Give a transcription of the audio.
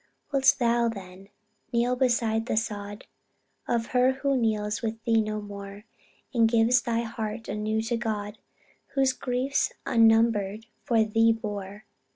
Wilt thou, then, kneel beside the sod Of her who kneels with thee no more, And give thy heart anew to God, Who griefs unnumbered for thee bore?